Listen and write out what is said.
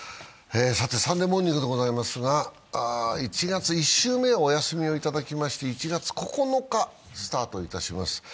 「サンデーモーニング」でございますが、１月１週目お休みをいただきまして１月９日スタートいたします。